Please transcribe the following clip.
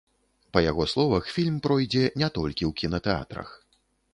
Па яго словах, фільм пройдзе не толькі ў кінатэатрах.